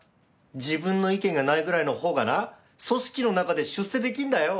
自分の意見がないぐらいのほうがな組織の中で出世できんだよ！